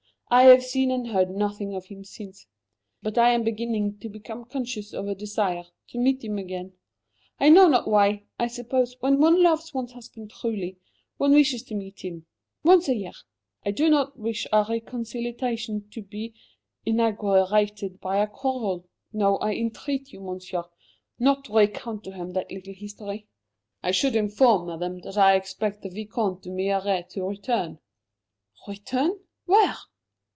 I have seen and heard nothing of him since. But I am beginning to become conscious of a desire to meet with him again. I know not why! I suppose, when one loves one's husband truly, one wishes to meet him once a year. I do not wish our reconciliation to be inaugurated by a quarrel no, I entreat you, Monsieur, not recount to him that little history." "I should inform Madame that I expect the Vicomte d'Humières to return." "Return? Where?